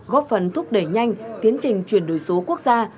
góp phần thúc đẩy nhanh tiến trình chuyển đổi số quốc gia